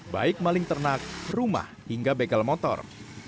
baik maling ternak rumah hingga begal motor